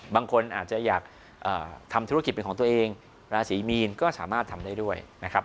บางคนอาจจะอยากทำธุรกิจเป็นของตัวเองราศีมีนก็สามารถทำได้ด้วยนะครับ